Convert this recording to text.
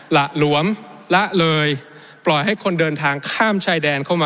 หละล้วมหละเลย